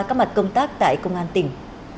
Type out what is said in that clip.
các mặt công tác tại công an tỉnh